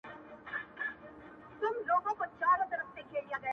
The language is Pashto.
o تر خوړلو ئې اميد ښه دئ.